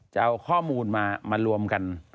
จะเอาข้อมูลมารวมกัน